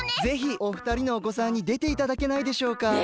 ぜひお二人のおこさんにでていただけないでしょうか？